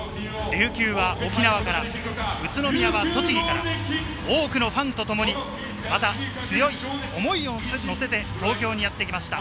琉球は沖縄から、宇都宮は栃木から、多くのファンとともに、また強い思いをのせて、東京にやってきました。